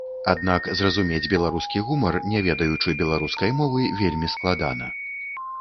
Аднак зразумець беларускі гумар, не ведаючы беларускай мовы, вельмі складана.